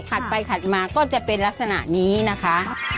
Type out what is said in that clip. ถัดไปถัดมาก็จะเป็นลักษณะนี้นะคะ